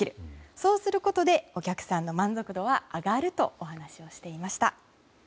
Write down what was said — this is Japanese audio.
そうすることでお客さんの満足度は上がるとお話をしていました。